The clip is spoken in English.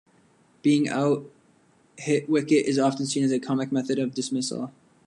Being out hit-wicket is often seen as a comic method of dismissal.